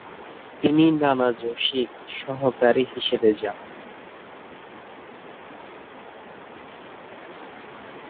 তিনি নানা জোশী’র সহকারী হিসেবে যান।